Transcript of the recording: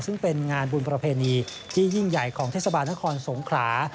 ซึ่งเป็นงานบุญประเพณีที่ยิ่งใหญ่ของเทศบาลนครสงขรา